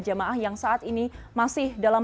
jamaah yang saat ini masih dalam